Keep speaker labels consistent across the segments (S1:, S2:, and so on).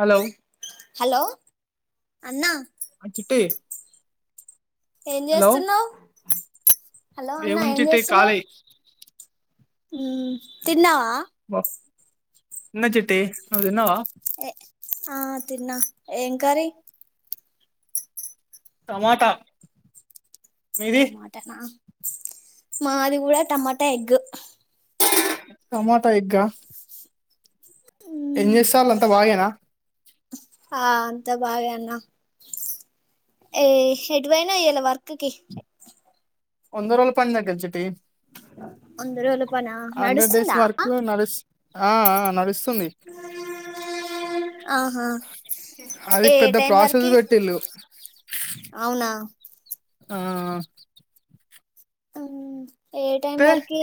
S1: Hello
S2: hello అన్నా
S1: ఆ చిట్టి
S2: ఏం
S1: హలో
S2: చేస్తున్నావు్ హలో అన్నా
S1: ఏముంది
S2: ఏం
S1: చిట్టి
S2: చేస్తున్నావు్
S1: ఖాళీ
S2: ఉ తిన్నావా
S1: బ తిన్న చిట్టి నువ్వు తిన్నావా
S2: ఏ ఆ తిన్నా ఏం కార్రి
S1: టమాటా మీది
S2: టమాట నా మాదిగూడ టమాట ఎగ్
S1: టమాటా ఎగ్గ ఆ ఎం చేస్తారు అంత బాగేనా
S2: ఆ అంతా బాగాే అన్న ఏ ఎటువైనా ఎ వర్క్ కి
S1: వంద రోజులు పన్లేకీ చిట్టి
S2: అందులో రుపన
S1: హండ్రెడ్ డేస్
S2: నడుస్తుందా
S1: వర్క్ నడుస్ ఆ నడుస్తూ తుంది
S2: ఆహా
S1: అది
S2: ఏ
S1: పెద్ద
S2: టైం
S1: ప్రాసెస్
S2: వరకి
S1: పెట్టిళు
S2: అవునా
S1: ఆ
S2: అ ఏ టైం
S1: అయితే
S2: వర్ కి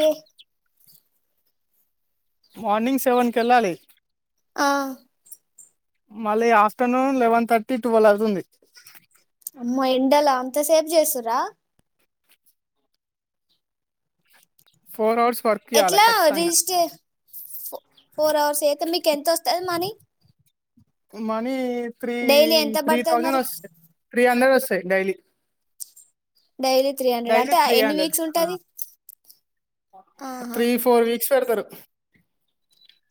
S1: మార్నింగ్ సెవెన్కి వెళ్ళాలి
S2: ఆ
S1: మళ్ళీ ఆఫ్టర్నూన్ లెవెన్ థర్టీ ట్వెల్వ్ అవుతుంది
S2: అమ్ ఓ ఎండలో అంత సేపు చేస్తురా
S1: ఫోర్ అవర్స్ వర్క్ చేయాలి
S2: ఎట్లా
S1: ఖచ్చితంగా
S2: రిజిస్ట్ ఫోర్ అవర్స్ అయితే మీకు ఎంత వస్తది మనీ
S1: మనీ త్రీ
S2: డైలీ ఎంత
S1: త్రీ
S2: పడుతది
S1: థౌజెండ్
S2: మరి
S1: వస్ త్రీ హండ్రెడ్డ్ వస్త sir daily
S2: daily three hundred
S1: daily
S2: అంటే
S1: త్రీ
S2: ఎన్ని వీక్స్
S1: హండ్రెడ్
S2: ఉంటంది అహ
S1: ఎక్స్ట్ పెడతారు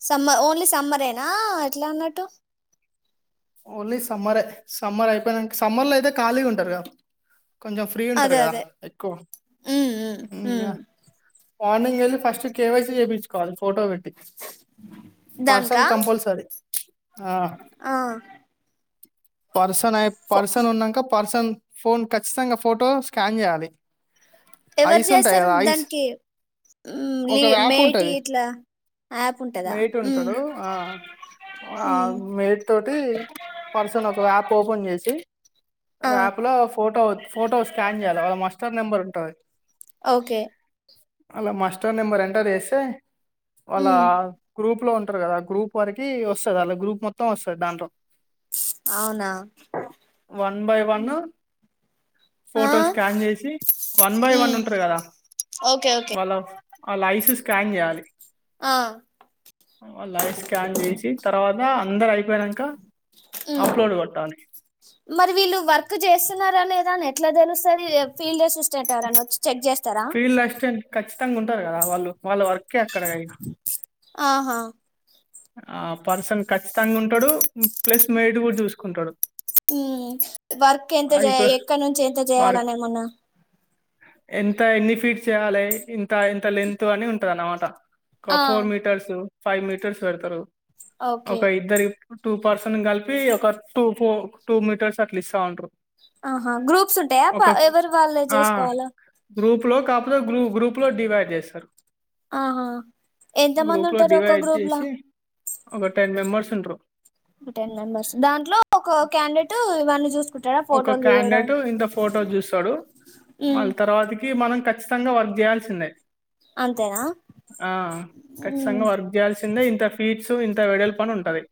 S2: సమ్మర్ ఓన్లీ సమ్మరేనా ఎట్లా ఉన్నట్టు
S1: ఓన్లీ సమ్మరే సమ్మర్ అయిపోయిన సమ్మర్ లో అయితే ఖాళీగా ఉంటారు కదా కొంచెం ఫ్రీ ఉంటారు
S2: అదే
S1: కదా
S2: అదే
S1: ఎక్కువ
S2: ఉమ్ ఉమ్ ఉమ్
S1: మార్నింగ్ వెళ్ళి ఫస్ట్ కేవైసీ చేయించుకోవాలి ఫోటో పెట్టి
S2: దానికా
S1: పర్సన్ కంపల్సరీ ఆ
S2: ఆ
S1: పర్సన్ అయి
S2: ఫో
S1: పర్సన్ ఉన్నంక పర్సన్ ఫోన్ ఖచ్చితంగా ఫోటో స్కాన్ చేయాలి
S2: ఎవరు
S1: ఐస్ ఉంటాయి
S2: చేస్తారు
S1: కదా ఐస్
S2: దానికి ఉమ్
S1: ఒక
S2: లీ
S1: యాప్
S2: మేటి
S1: ఉంటుంది
S2: ఇట్లా యాప్ ఉంటందా
S1: మేట్
S2: ఊ
S1: ఉంటాడు ఆ,
S2: ఊ
S1: పి పర్సన్ ఒక వాప్ ఓపెన్ చేసి
S2: ఆ
S1: వాప్ లో ఫోటో ఫోటో స్కాన్ చేయాల వాళ్ళ మస్టర్ నెంబర్ కరుంటాయి
S2: ఓకే
S1: అలా మస్టర్ నెంబర్ ఎంటర్ ఏస్తే వాళ్ళ
S2: ఉమ్
S1: గ్రూప్ లో ఉన్ టరు కద ఆ గ్రూప్ వరికి వస్తుది అలా గ్రూప్ మొత్తం వస్ ట దాంట్లో
S2: అవునా
S1: వన్ బై వన్
S2: ఆ
S1: ఫోటో స్కాన్ చేసి వన్ బై వను
S2: ఉమ్
S1: ఉంటారు కదా
S2: ఓకే ఓకే
S1: వాళ్ళ వాళ్ళ ఐ సి స్ స్కాన్ చేయాలి
S2: ఆ
S1: వాళ్ళ ఐ స్కాన్ చేసి తర్వాత అందరూ ఐ
S2: హ్మ్ మరి వీళ్ళు వర్క్ చేస్తున్నార లేద ఎట్లా తెలుస్తుంది ఫీల్డ్ అసిస్టెంట్ని వచ్చి చెక్ చేస్తారా
S1: ఫీల్డ్ అసిస్టెంట్ కచ్ థింగ్ ఉంటారు కదా వాళు వాళ్ళ వ కక్క డైన
S2: ఆహా
S1: ఆ పర్సన్ ఖచ్చితంగ ఉంటడు ప్లస్ మెయిడ్ కూడ చూసుకుంటడు
S2: వర్క్ ఎంత చే
S1: అయిపోయి
S2: ఎక్కడ నుంచి ఎంత చేయ్యాల ఎమన్న
S1: ఎంత ఎన్ని ఫీట్ చేయాలే ఇంత ఎంత లెంత్ అని ఉంటది అన్నమాట ఒక
S2: ఆ,
S1: ఫోర్ మీటర్స్ ఫైవ్ మీటర్స్ పెడ్తారు
S2: ఓకే
S1: ఒక ఇద్దరీ టూ పర్సన్ కలిపి ఒక టూ ఫోర్ టూ మీటర్స్ అట్ల ఇస్తా ఉంటారు
S2: ఆహా గ్రూప్స్ ఉంటాయా
S1: ఒక
S2: ఎవరు వాళ్ళు
S1: ఆ
S2: చేసుకోవాల
S1: గ్రూప్ లో కాకపోతే గ్రూ గ్రూప్ లో డివైడ్ చేస్తారు
S2: ఆహా ఎంత మంది
S1: గ్రూప్ లో
S2: ఉంటారు ఒక్క
S1: డివైడ్
S2: గ్రూప్ ల
S1: చేసి ఒక టెన్ మెంబర్స్ ఉంటరు
S2: టెన్ మెంబర్స్ దాంట్లో ఒక క్యాండేట్ వాన్ని చూస్
S1: ఒక క్యాండేట్ ఇంత ఫోటో చూస్తాడు
S2: ఉమ్,
S1: మళ్ళీ తర్వాతకి మనం ఖచ్చితంగా వర్క్ చేయాల్సిందే
S2: అంతేనా
S1: ఆ
S2: ఉమ్,
S1: ఖచ్చింగా వర్క్ చేయాల్సిందే ఇంత ఫీట్స్ ఇంత వెడల్పు అని ఉంటది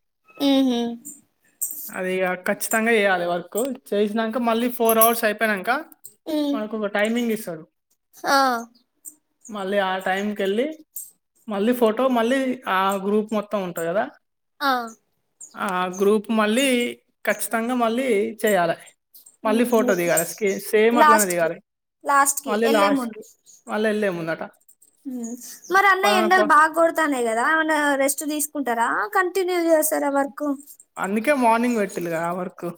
S2: ఉమ్హు,
S1: అదిగ ఖచ్చితంగా చేయాలి వాళ్ళు [unintelligible] చేసినంక మళ్ళీ ఫోర్ అవర్స్ అయిపోయినంక
S2: ఉమ్,
S1: మనకు ఒక టైమింగ్ ఇస్ తరు
S2: ఆ
S1: మళ్ళీ ఆ టైంకెళ్ళి మళ్ళీ ఫోటో మళ్ళీ ఆ గ్రూప్ మొత్తం ఉంటది కదా
S2: ఆ
S1: ఆ గ్రూప్ మళ్ళీ ఖచ్చితంగా మళ్ళీ చేయాల మళ్ళీ
S2: ఉహు
S1: ఫోటో దిగాల సేమ్ అట్లానే
S2: లాస్ట్ కి
S1: దిగాలి
S2: లాస్ట్ కి
S1: మళ్ళీ
S2: వెళ్ళే
S1: లాస్ట్
S2: ముందు
S1: కి మళ్ళీ వెళ్ళేముంద
S2: మరి అన్న ఎండలు
S1: పర్సన్
S2: బాగా కొడతాన్నాయి ఏమన్న రెస్ట్ తీసుకుంటారా క టిన్యూ చేస్తారా వర్ క్కు
S1: కే మోర్నింగ్ పెట్టిలుగా వర్కు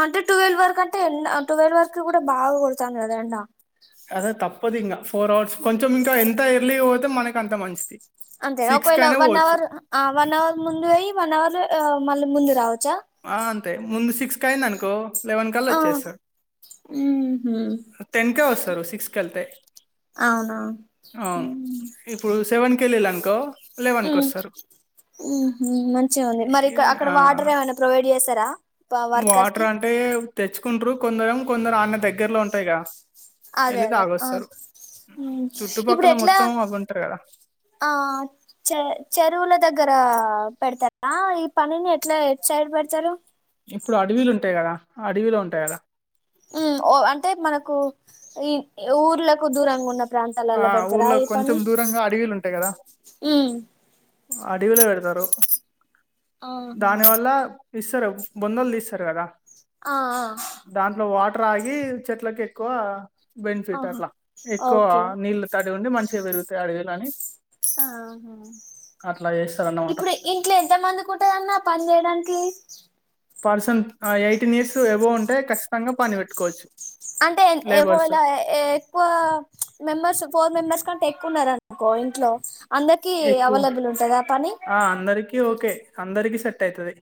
S2: అంటే టువెల్వ్ వరకు అంటే ఎ టువెల్వ్ వరకు కూడా బాగా కొడతాంది కదా ఎండ
S1: అదే తప్పదు ఇంకా ఫోర్ అవర్స్ కొంచెం ఇంకా ఎంత ఎర్లీ పోతే మనకి అంత మంచి
S2: అంతే రా ఒకవేళ వన్ అవర్ ఆ వన్ అవర్ ముందు అయి వన్ అవర్ మళ్ళీ ముందు రావచ్చా
S1: ఆ అంతే ముందు సిక్స్ కయ్యిందనుకో
S2: ఆ ఊహూ
S1: టెన్కే వస్తారు సిక్స్ కెళ్తే
S2: అవునవును మ్మ్
S1: కేలెల్లనుకో
S2: ఉమ్మ్ ఉ హుమ్ మంచిగా ఉంది మరి
S1: ఈ
S2: ఇక్కడ అక్కడ
S1: ఆ!
S2: వాటర్ ఏమైనా ప్రొవైడ్ చేస్తారా వర్కర్
S1: వాటర్
S2: కి
S1: అంటే తెచ్చుకుంట్రారు కొందరేమో కొందరు ఆడ్నే దగ్గరలో ఉంటాయిగా
S2: అదే
S1: ఎళ్లి
S2: అదే ఆ
S1: తాగొస్తారు.
S2: ఇప్పుడు మ్మ్
S1: చుట్టుపక్కల
S2: ఎట్లా
S1: మొత్తం అవ్వుంటారు గదా!
S2: ఆ చె చెరువుల దగ్గర పెడతారా ఈ పనిని ఎట్లా ఎటు సైడ్ పెడతారు
S1: ఇప్పుడు అడవిలు ఉంటాయి కదా అడవిలు ఉంటాయి కదా
S2: మ్మ్ ఓ అంటే మనకు ఈ ఊర్లకు దూరంగున్న
S1: ఆ!
S2: ప్రాంతాలల్లో పెడతారా
S1: ఊర్లో
S2: ఈ పని
S1: కొంచెం దూరంగా అడివిలో పెడతారు
S2: ఆహా
S1: దాని వల్ల ఇస్తారు వందలుది ఇస్తారు కదా
S2: ఆ ఆ
S1: దాంట్లో వాట రాగి చెట్లకి ఎక్కువ బెనిఫిట్లా
S2: ఆహా
S1: అట్లా ఎక్కువ
S2: ఓకే
S1: నీళ్ళ తడిగి ఉడి మంచిగా పెరుగుతయి అడివలు అని
S2: ఆహా
S1: అట్లా చేస్తారన్నమాట
S2: ఇప్పుడు ఇంట్లో ఎంత మందికి ఉంటంద అన్న పనియడానికి
S1: పర్సన్ ఎయిటీన్ ఇయర్స్ ఎబో ఉంటే ఖచ్చితంగా పని పెట్టుకోవచ్చు
S2: అంటే
S1: లేబర్స్
S2: ఒకవేళ ఎక్కువ మెంబెర్స్ ఫోర్ మెంబెర్స్ కంటే ఎక్కువన్నారుర అనుకో ఇంట్ల అందరికి
S1: ఎక్కువ
S2: అవైలబుల్ ఉంటుందా పని
S1: అందరికి సెట్ అవుతది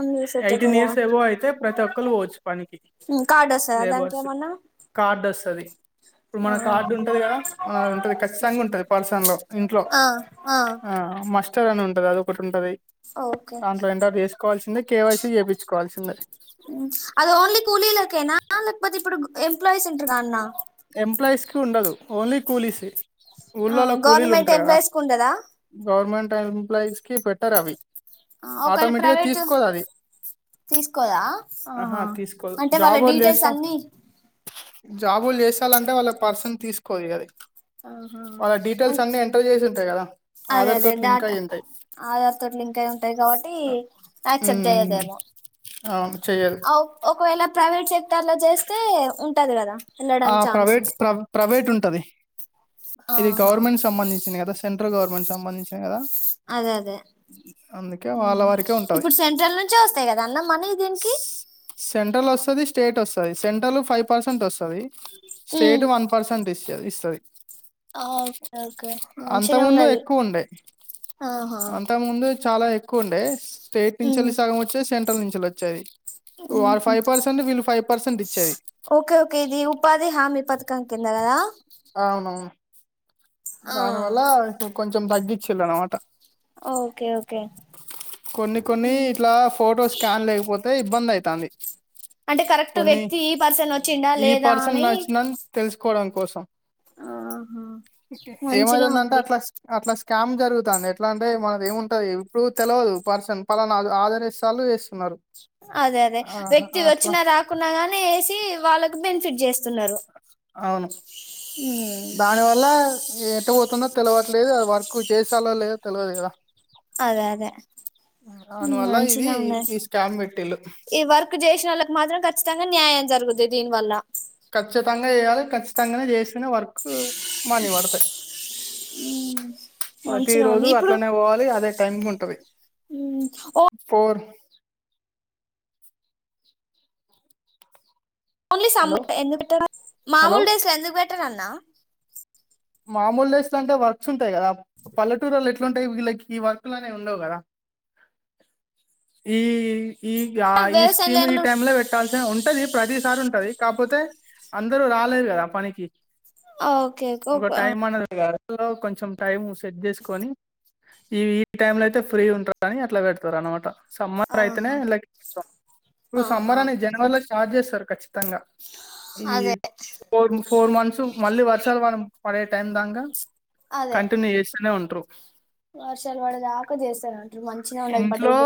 S2: అందరు సెట్
S1: యిటీన్
S2: అవుతుందా
S1: ఇయర్స్ అబౌవ్ అయితే ప్రతక్ క్ల్వోచ్ పనికి
S2: కార్డు వస్తదా దానికి
S1: లేబర్స్
S2: ఏమన్నా
S1: కార్డ్ వస్తుంది ఇప్పుడు మన కార్డు ఉంటది కదా మన ఉంటది ఖచ్చితంగా ఉంటది పల్సన్ లో ఇంట్ల
S2: ఆ
S1: ఆ మస్టర్ అని ఉంటది అది ఒకటి ఉంటది
S2: ఓకే
S1: దాంట్లో ఏంటర్ చేసుకోవాల్సిందేయ్ కేవైసీ చేపించుకోవాల్సిందేయ్
S2: హ్మ్ అది ఓన్లీ కూలీలకే నా లేకపోతి ఇప్పుడుగు ఎంప్లాయిస్ అంటగా అన్నా
S1: ఎంప్లాయిస్ కి ఉండదు ఓన్లీ కూలీస్ ఊళ్ళలో
S2: హ్మ్
S1: కూలీలు
S2: గవర్నమెంట్ ఎంప్లాయీస్ కు ఉండదా
S1: ఎంప్లాయిస్ కి బెటర్ అవి
S2: ఒకవేళ
S1: ఆటోమేటిక్ గా
S2: ప్రైవేట్
S1: తీసుకోదు అది
S2: తీస్కోదా ఆహ
S1: ఆహా తీసుకోదు
S2: అంటే వాళ్ళ డీటెయిల్స్ అన్ని
S1: జాబుల్ చేస్ చాల అంటే వాళ్ళకి పర్సన్ తీసుకోదు కదా
S2: ఆహ అంటే
S1: చేసి ఉంటాయి కదా
S2: అదే
S1: ఆధార్
S2: అదే
S1: తోటి లింక్
S2: డేటా
S1: అయి ఉంటాయి
S2: ఆధార్ తోటి లింక్ అయి ఉంటాయి కాబట్టి యాక్సెప్ట్
S1: ఉమ్,
S2: చెయ్యదేమో
S1: అవును చెయ్యదు
S2: ఆ ఒకవేళ ప్రైవేట్ సెక్టర్ ల చేస్తే ఉంటంది కదా వెళ్ళడం
S1: ఆ
S2: ఛాన్స్
S1: ప్రైవేట్ ప్రై ప్రైవేట్ ఉంటది ఇది
S2: ఆహా
S1: గవర్నమెంట్ సంబంధించింది కదా సెంట్ గవర్మెంట్ కి సంబంధించినది కదా
S2: అదే అదే
S1: అందుకే వాళ్ళ
S2: హుమ్
S1: వారికే ఉంటది
S2: ఇప్పుడు సెంట్రల్ నుంచే వస్తాయి కదా అన్న మనీ దీనికి
S1: సెంట్రలు ఫైవ్ పర్సెంట్ వస్తది స్టేటు వన్ పర్సెంట్ ఇస్ ఇస్తది
S2: ఆ ఓకే ఓకే
S1: అంత
S2: మంచినే
S1: ముందు
S2: ఉన్నది
S1: ఎక్కువ ఉండే
S2: ఆహా
S1: కుండే స్టేట్ నుంచేల్లి సగం వచ్చే సెంట్ ఇంచల్ వచ్చాయి
S2: హుమ్ హు
S1: పర్సెంట్ ఇచ్చేది
S2: ఓకే ఓకే ఇది ఉపాధి ఉపాధి హామీ పథకం కింద కదా
S1: [unintelligible]
S2: ఆ
S1: దానివల్ల ఇ హు కొంచెం తగ్గిచిల్ అనమాట
S2: ఓకే ఓకే
S1: కొన్ని కొన్ని ఇట్లా ఫోటో స్కాన్ లేకపోతే బ్బందైతాంది
S2: అంటే కరెక్ట్ వ్యక్తి ఈ పర్సన్ వచ్చిండా
S1: ఈ
S2: లేదా
S1: పర్సన్
S2: అని
S1: నచ్చిందని తెలుసుకోవడం కోసం
S2: ఆహా మంచిగా
S1: ఏమైతుందంటే
S2: ఉంది
S1: అట్లా స్ అట్లా స్ స్కామ్ జరుగుతాంది ఎట్లా అంటే మనది ఏముంటది ఇప్పుడు తెల్వదు పర్సన్ ఫలానా ఆదరిస్తలు వేస్తున్నారు
S2: అదే అదే వ్యక్తి వచ్చినా రాకున్నా గానే ఏస్ వాళ్ళకు బెనిఫిట్ చేస్ సున్నరు
S1: అవును దాని వల్ల ఏ ట్టు పోతుందో తెలవట్లేదు అది వర్క్ చేసాలో లేదో తెలవదు కదా
S2: అదే అదే
S1: దానివల్ల ఇది
S2: మంచిగనే ఉన్నాయి
S1: ఈ స్కామ్ పెట్టిళ్ళు
S2: ఈ వర్క్ చేసినోళ్ళకి మాత్రం ఖచ్చితం గా న్యాయం జరుగుద్ది దీని వల్ల
S1: ఖచ్చితంగా చేయాలి ఖచ్చితంగానే చేస్తేనే వర్కు మని పడతాయి ప్రతి
S2: మంచిగా ఉంది
S1: రోజు
S2: ఇప్పుడు
S1: అట్లనే పోవాలి అదే టైమ్ ఉంటది ఫోర్
S2: ఓన్లీ సమ్మ్
S1: హలో
S2: ఎందుకు పెట్టరన
S1: హలో
S2: మాముూలుడేస్ ఎందుకు పెట్టరన్ నా
S1: మామూలు ఏస్తంటే వర్క్స్ ఉం కదా పల్లెటూరొ ఎట్లాంటాయి వీళ్ళకి ఈ వర్కులనేవి ఉండవు కదా ఈ ఈ ఈ
S2: వ్యవసాయం
S1: స్కీమ్ ఈ
S2: లేనోళ్ళు
S1: టైమ్ లో పెట్టాల్సిిన ఉంటది ప్రతిసారి ఉంటది కాకపోతే అందరూ రాలేరు కదా ఆ పనికి
S2: ఆ ఓకే
S1: ఒక
S2: ఓకే
S1: టైం అనేది కాదు రోజులో కొంచెం టైం సెట్ చేసుకొని ఈ ఈ టైంలో అయితే ఫ్రీ ఉంటుందని అట్లా పెడతారు అన్నమాట సమ్మర్ అయితేనే
S2: ఆహా
S1: ఇలా ఇప్పుడు
S2: ఆహా
S1: సమ్మర్ అని జనవరిలో స్టార్ట్ చేస్తారు ఖచ్చి తంగా ఈ
S2: అదే
S1: ఫోర్ ఫోర్ మంత్స్ మళ్ళీ వర్షాలు మనం పడే టైమ్ దాంగా
S2: అదే
S1: కంటిన్యూ చేస్తూనే ఉం ట్రూక్
S2: వర్షాలు బడే దాక చేస్తార
S1: ఇంట్లో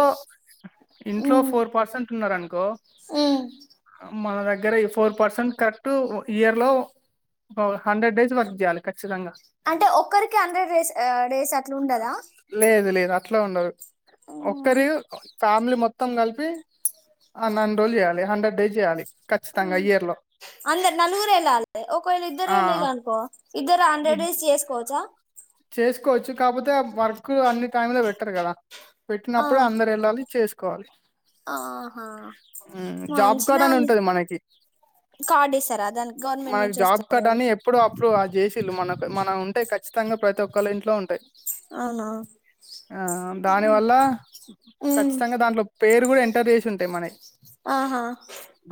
S1: ఇంట్లో
S2: ఉమ్
S1: ఫోర్ పర్సెంట్ ఉన్నారునుకో
S2: ఉమ్
S1: మన ద దగ్గర ఫోర్ పర్సెంట్ కరెక్ట్ ఇయర్ లో హండ్రెడ్ డేస్ వర్క్ చేయాలి ఖచ్చితంగా
S2: అంటే ఒక్కరికి హండ్రెడ్ డేస్ డేస్ అట్లా ఉండదా
S1: లేదు లేదు అట్లా ఉండదు ఒక్కరే ఫ్యామిలీ మొత్తం కలిపి అన్ని అన్ని రోజులు చేయ్యాలి హండ్రెడ్ డేస్ చెయ్యాలి
S2: అందరు నలుగురు ఎల్లాలి ఒక్కరు ఇద్దరు
S1: ఆ
S2: వెళ్ళిండ్రు అనుకో ఇద్దరు హండ్రెడ్
S1: ఇద్-
S2: డేస్ చేసుకోవచ్చా
S1: చేసుకోవచ్చు కాపోతే వర్క్ అన్ని టైమ్ లో పెట్టరు కదా
S2: ఆ,
S1: పెట్టినప్పుడు అందరు వెళ్ళాలి చేసుకో కోవాలి
S2: ఆహా
S1: జాబ్ కార్డ్
S2: మంచిగా
S1: అని
S2: ఉంది
S1: ఉంటది మనకి
S2: కార్డు ఇస్తారా దానికి గవర్నమెంట్
S1: మనకి
S2: నుంచి
S1: జాబ్
S2: వస్తుంది
S1: కార్డ్ అని ఎప్పుడు అప్పుడు చేసిండ్రు మనకు మన ఉంటాయి కచ్చి కచ్చితంగా ప్రతి ఒక్కళ్ళ ఇంట్లో ఉంటాయి
S2: అవునా
S1: ఆ దాని వల్ల
S2: ఉమ్,
S1: ఖచ్చితంగా దాంట్లో పేరు కూడా ఎంటర్ చేసి ఉంటాయి మనవి
S2: ఆహా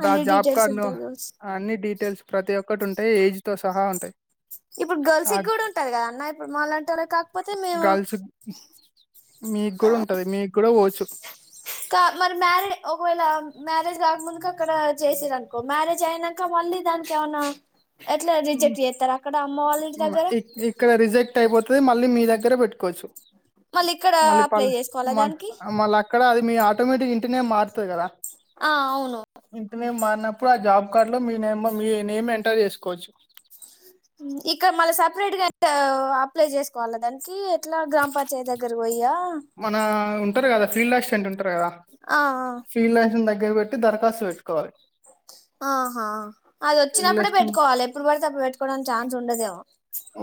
S2: అన్ని డీటెల్స్ ఉంటాయి కావచ్చు
S1: డీటెల్స్ ప్రతి ఒక్కటి ఉంటాయి ఏజ్ తో సహా ఉంటాయి
S2: ఇప్పుడు
S1: ఆ
S2: గర్ల్స్కి కూడా ఉంటారు కదా అన్నయి ఇప్పుడు మలాంటి టి వాళ కాకపోతే మేము
S1: గర్ల్స్ మీకు
S2: ఆ
S1: కూడా ఉంటది మీకు కూడా పోవచ్చు
S2: కా మరి మ్యారేడ్, ఒకవేళ మ్యారేజ్ కాకముందుక అక్కడ చేసర అనుకో మ్యారేజ్ అయినాక మళ్ళీ దానికి ఏమనా ఇంటి దగ్గర
S1: ఇక్కడ రిజెక్ట్ అయిపోతే మళ్ళీ మీ దగ్గర పెట్టుకోవచ్చు.
S2: మళ్ళీ ఇక్కడ
S1: మళ్ళీ
S2: అప్లై
S1: పల్
S2: చేసుకోవాలా
S1: మ
S2: దానికి
S1: మళ్ళీ అక్కడ అది మీ ఆటోమేటిక్ ఇంటినే మారుతుంది కదా
S2: ఆ అవును
S1: ఇంటినే మారినప్పుడు, ఆ జాబ్ కార్డ్ లో మీ నేమ్ మీ నేమ్ ఎంటర్ చేసుకోవచ్చు.
S2: ఇక్కడ మళ్ళ సపరేట్ గా అప్లై చేసుకోవాలా, దానికి ఎట్లా గ్రామ పంచాయతీ దగ్గర పోయి
S1: మన ఉ ఉంటారు కద ఫీల్డ్ అసిట్టెంట్ ఉంటారు కదా
S2: ఆ
S1: ఫీల్డ్ అస్ దగ్గరట్టి దరఖాస్తు పెట్టుకోవాలి.
S2: ఆహా అది
S1: ఫీల్డ్
S2: వచ్చినప్పుడే
S1: అసిస్టెంట్
S2: పెట్టుకోవాలి. ఎప్పుడు పడితే అప్పుడు పెట్టుకోవడానికి ఛాన్స్ ఉండదేమో.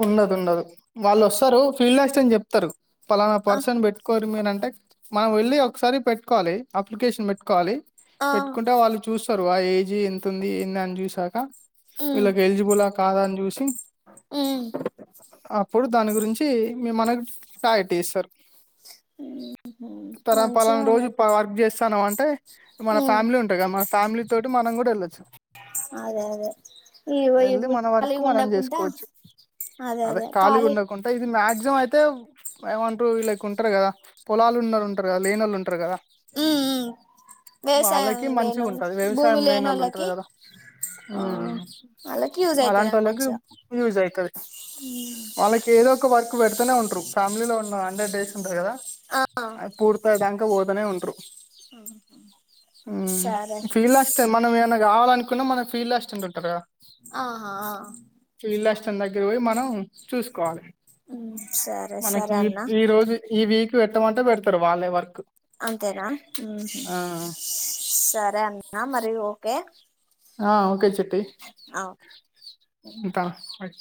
S1: ఉండదు ఉండదు. వాళ్ళు వస్తారు ఫీల్డ్ అసిస్టెంట్ చెప్తారు. పలానా
S2: ఆ
S1: పర్సన్ పెట్టుకోరు మీరు అం బట్ మనం వెళ్ళి ఒకసారి పెట్టుకోవాలి అప్లికేషన్ పెట్టుకోవాలి.
S2: ఆ
S1: పెట్టుకుంటే వాళ్ళు చూస్తారు. ఆ ఏజ్ ఎంతుంది, ఏందని చూసాక
S2: ఉమ్
S1: ఇళ్లకి ఎలజిబుల్ కాదా అని చూసి
S2: ఉమ్
S1: అప్పుడు దాని గురించి మనకు యా ఇట్ ఇస్ సార్ తర
S2: మంచిదే
S1: పలానా రోజు
S2: అన్నట్టు
S1: పలానా వర్క్ చేస్తాను అం ఎయ్ మన
S2: ఉమ్
S1: ఫ్యామిలీ ఉంటంది కదా, మన ఫ్యామిలీ తోటి మనం కూడా వెళ్లచ్చు
S2: అదే అదే ఈ
S1: వెళ్ళి
S2: [unintelligible]
S1: మన వర్క్
S2: కాలీగా
S1: మనం
S2: ఉండకుండా
S1: చేసుకోవచ్చు అదే కాలి ఉండకుంటా ఇది మాక్సిమం అయితే ఎమంటారు లైక్ ఉంటారు కదా. పొలాలు ఉన్నోళ్లు ఉంటారు కదా లేన్నోళ్లు ఉంటారు కదా.
S2: ఉమ్ ఉమ్ వ్యవసాయం
S1: వాళ్ళకి మంచిగా
S2: లేనోళ్ళు
S1: ఉంటంది
S2: భూమి
S1: వ్యవసాయం లేనోళ్ళు ఉంటారు
S2: లేనోళ్ళకి
S1: కదా. ఊ
S2: ఆ వాళ్ళకి యూజ్ అయితది
S1: అలాంటి వాళ్ళకి
S2: మంచిగా
S1: యూజ్ అయితాది. వాళ్ళకి ఏదో ఒక వర్క్ పెడుతనే ఉంటరు ఫ్యామిలీ లో ఉన్న హండ్రడ్ డేస్ ఉంటాది కదా.
S2: ఆ
S1: అవి పూర్తి అవడానికి. పోతానే ఉంట్రు. ఉమ్
S2: సరే
S1: ఫీల్ అస్తే మనం ఏమన్నా. కావాలనుకున్నా మనకి ఫీల్ వస్తుంటారు కదా.
S2: ఆహా
S1: ఫీల్డ్ అసిస్టెంట్ మనం చూసుకోవాలి
S2: ఉమ్ సరే
S1: మనకి
S2: సరే అన్న
S1: ఈ రోజు ఈ వీక్ పెట్టమంటే పెడతారు వాళ్ళే వర్క్.
S2: అంతేనా ఉమ్
S1: ఆ
S2: సరే అన్నా మరి ఓకే.
S1: ఆహ్ ఓకే చెల్లి. టే.
S2: ఆ
S1: ఇంతా అయ్